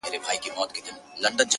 • گرانه شاعره صدقه دي سمه ـ